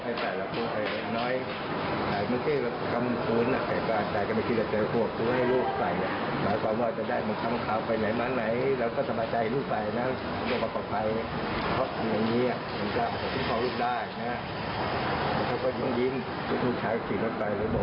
ยังยิงทุกชายคิดลงไปแล้วบอก